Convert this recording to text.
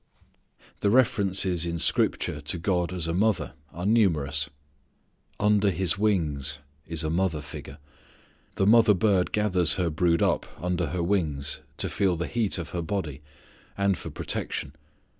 The references in scripture to God as a mother are numerous. "Under His wings" is a mother figure. The mother bird gathers her brood up under her wings to feel the heat of her body, and for protection.